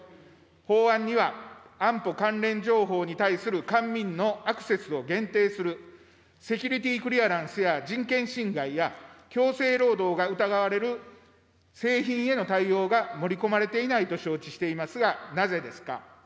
法案には安保関連情報に対する官民のアクセスを限定する、セキュリティー・クリアランスや人権侵害や強制労働が疑われる製品への対応が盛り込まれていないと承知していますが、なぜですか。